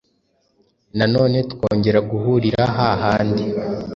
nanone twongera guhurira hahandi